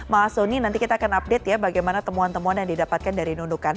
mas soni nanti kita akan update ya bagaimana temuan temuan yang didapatkan dari nundukan